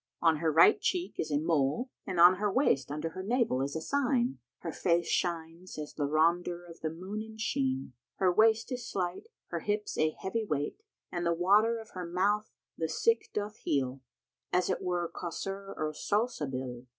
On her right cheek is a mole and on her waist, under her navel, is a sign; her face shines as the rondure of the moon in sheen, her waist is slight, her hips a heavy weight, and the water of her mouth the sick doth heal, as it were Kausar or Salsabil."